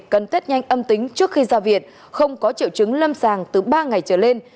cần tết nhanh âm tính trước khi ra viện không có triệu chứng lâm sàng từ ba ngày trở lên